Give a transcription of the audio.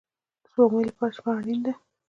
د سپوږمۍ لپاره شپه اړین ده